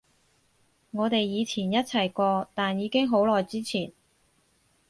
我哋以前一齊過，但已經好耐之前